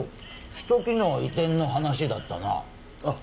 首都機能移転の話だったなあっ